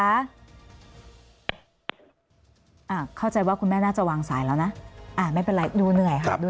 อ่าเข้าใจว่าคุณแม่น่าจะวางสายแล้วนะอ่าไม่เป็นไรดูเหนื่อยค่ะดู